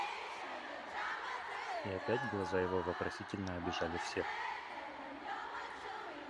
И опять глаза его вопросительно обежали всех.